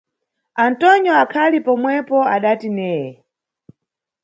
Antonyo akhali pomwepo adati Neye.